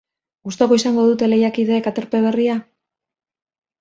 Gustuko izango dute lehiakideek aterpe berria?